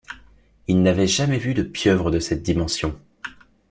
Il n’avait jamais vu de pieuvre de cette dimension.